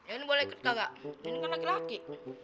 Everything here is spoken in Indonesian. ini boleh kakak ini kan laki laki